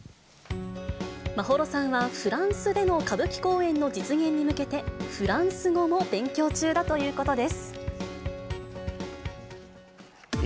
眞秀さんはフランスでの歌舞伎公演の実現に向けて、フランス語も勉強中だということです。